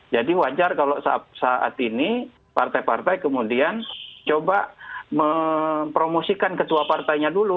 jadi wajar kalau saat ini partai partai kemudian coba mempromosikan ketua partainya dulu